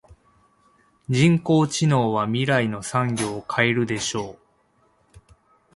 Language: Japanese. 人工知能は未来の産業を変えるでしょう。